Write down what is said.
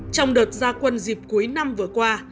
trong đợt gia quân dịp cuối năm vừa qua